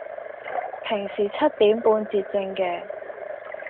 平時七點半截症嘅